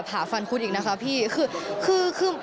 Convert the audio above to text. ผ่าฟันคุดอีกนะคะพี่คือ